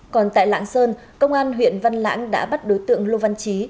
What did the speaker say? còn tại lạng sơn công an huyện văn lãng đã bắt đối tượng lô văn chí